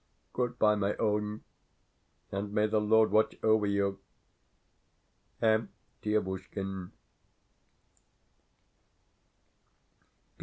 Goodbye, my own, and may the Lord watch over you! M. DIEVUSHKIN.